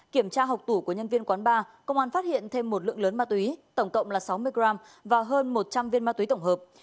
kiểm tra học tủ của nhân viên quán bar công an phát hiện thêm một lượng lớn ma túy tổng cộng là sáu mươi g và hơn một trăm linh viên ma túy tổng hợp